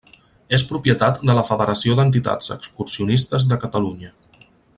És propietat de la Federació d’Entitats Excursionistes de Catalunya.